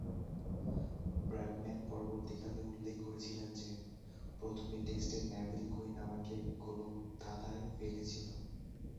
Bradman পরবর্তীকালে উল্লেখ করেছিলেন যে, প্রথমে টেস্টে নেভিল কুইন আমাকে গোলকধাঁধায় ফেলেছিল।